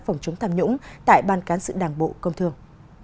phòng chống tham nhũng tại ban cán sự đảng bộ công thương